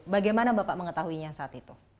bagaimana bapak mengetahuinya saat itu